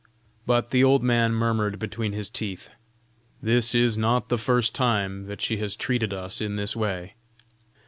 But the old man murmured between his teeth: "This is not the first time that she has treated us in this way.